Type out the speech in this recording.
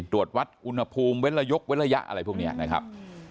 ตรวจวัดอุณหภูมิเว้นระยกเว้นระยะอะไรพวกนี้นะครับ